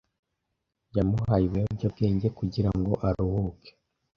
Yamuhaye ibiyobyabwenge kugirango aruhuke.